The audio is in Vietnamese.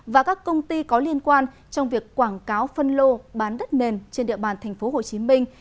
và các công ty có liên quan trong việc quảng cáo phân lô bán đất nền trên địa bàn thành phố hồ chí minh